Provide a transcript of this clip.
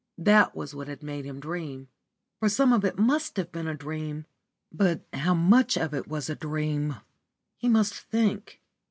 That was what had made him dream. For some of it must have been a dream! But how much of it was a dream? He must think.